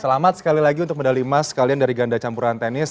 selamat sekali lagi untuk medali emas kalian dari ganda campuran tenis